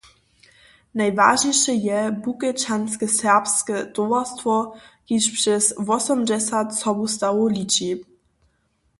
Najwažniše je Bukečanske serbske towarstwo, kiž přez wosomdźesać sobustawow liči.